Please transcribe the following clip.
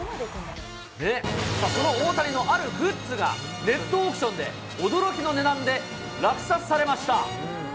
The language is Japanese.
その大谷のあるグッズが、ネットオークションで驚きの値段で落札されました。